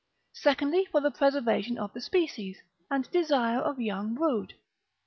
Secondly, for the preservation of the species, and desire of young brood.